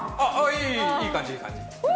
いい感じいい感じ。